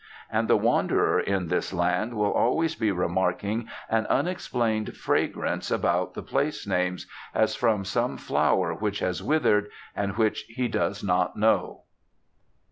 And the wanderer in this land will always be remarking an unexplained fragrance about the place names, as from some flower which has withered, and which he does not know.